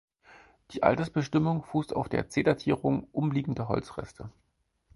Die Altersbestimmung fußt auf der C-Datierung umliegender Holzreste.